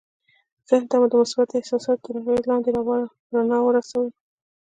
ذهن ته مو د مثبتو احساساتو تر اغېز لاندې رڼا ورسوئ